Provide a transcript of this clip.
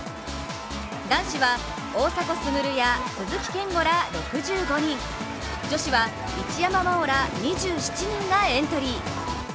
男子は大迫傑や鈴木健吾ら６５人、女子は一山麻緒ら２７人がエントリー。